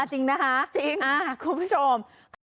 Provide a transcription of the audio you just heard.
หรอคะจริงนะคะคุณผู้ชม